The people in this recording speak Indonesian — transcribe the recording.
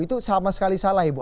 itu sama sekali salah ibu